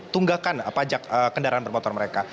tunggakan pajak kendaraan bermotor mereka